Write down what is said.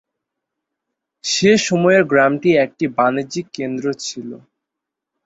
সেই সময়ে গ্রামটি একটি বাণিজ্যিক কেন্দ্র ছিল।